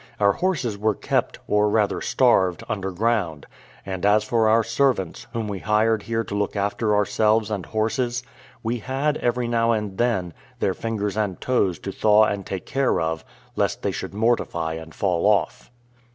Our horses were kept, or rather starved, underground; and as for our servants, whom we hired here to look after ourselves and horses, we had, every now and then, their fingers and toes to thaw and take care of, lest they should mortify and fall off.